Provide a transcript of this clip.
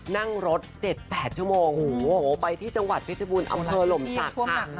นั่งรถ๗๘ชั่วโมงไปที่จังหวัดพิชบุญอำเภอหลมศาตริย์